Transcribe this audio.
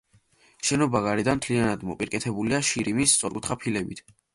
შენობა გარედან მთლიანად მოპირკეთებულია შირიმის სწორკუთხა ფილებით.